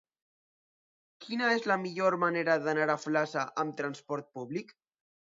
Quina és la millor manera d'anar a Flaçà amb trasport públic?